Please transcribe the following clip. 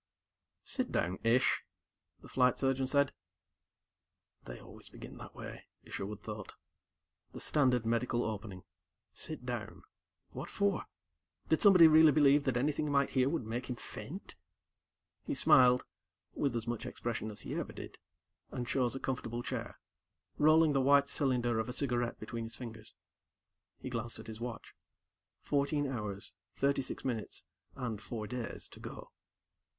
"Sit down, Ish," the Flight Surgeon said. They always begin that way, Isherwood thought. The standard medical opening. Sit down. What for? Did somebody really believe that anything he might hear would make him faint? He smiled with as much expression as he ever did, and chose a comfortable chair, rolling the white cylinder of a cigarette between his fingers. He glanced at his watch. Fourteen hours, thirty six minutes, and four days to go.